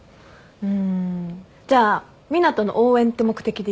うんじゃあ湊斗の応援って目的で行くわ。